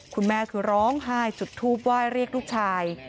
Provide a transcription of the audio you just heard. คุณแม่คือร้องไห้จุดทูปไหว้เรียกลูกชาย